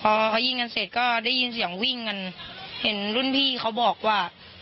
พอเขายิงกันเสร็จก็ได้ยินเสียงวิ่งกันเห็นรุ่นพี่เขาบอกว่า